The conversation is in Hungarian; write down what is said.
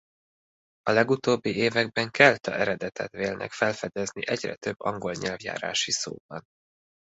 A legutóbbi években kelta eredetet vélnek felfedezni egyre több angol nyelvjárási szóban.